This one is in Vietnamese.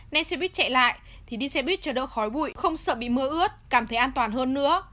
lái xe buýt chạy lại thì đi xe buýt chờ đỡ khói bụi không sợ bị mưa ướt cảm thấy an toàn hơn nữa